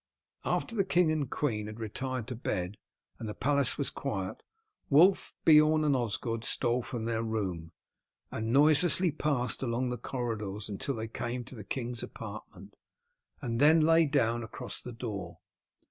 After the king and queen had retired to bed and the palace was quiet Wulf, Beorn, and Osgod stole from their room, and noiselessly passed along the corridors until they came to the king's apartment, and then lay down across the door.